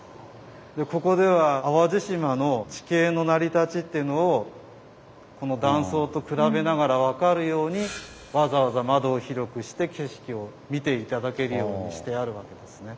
ここでは淡路島の地形の成り立ちっていうのをこの断層と比べながら分かるようにわざわざ窓を広くして景色を見て頂けるようにしてあるわけですね。